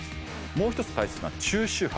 もう一つ大切な中周波